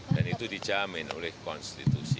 dan itu dijamin oleh konstitusi